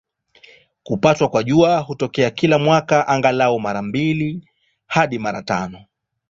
Kupatwa kwa Jua hutokea kila mwaka, angalau mara mbili hadi mara tano.